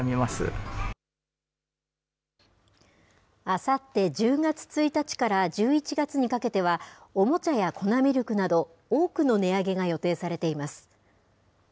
あさって１０月１日から１１月にかけては、おもちゃや粉ミルクなど、多くの値上げが予定されています。